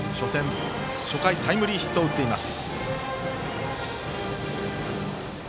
初戦タイムリーヒットを打っています。